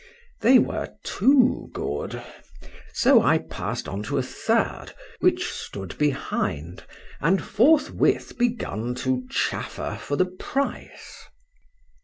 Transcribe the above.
—They were too good;—so I pass'd on to a third, which stood behind, and forthwith begun to chaffer for the price.